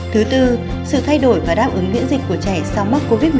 thứ tư sự thay đổi và đáp ứng miễn dịch của trẻ sau mắc covid một mươi chín